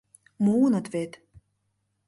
Муыныт вет...